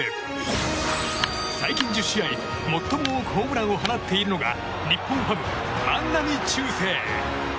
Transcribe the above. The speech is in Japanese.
この中で、最近１０試合最も多くのホームランを放っているのが日本ハム、万波中正。